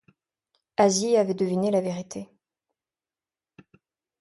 Asie avait deviné la vérité.